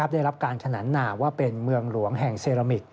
ได้รับการขนานนาว่าเป็นเมืองหลวงแห่งเซรามิก